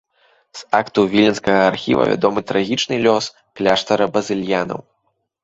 З актаў віленскага архіва вядомы трагічны лёс кляштара базыльянаў.